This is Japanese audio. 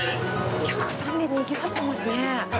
お客さんでにぎわってますね。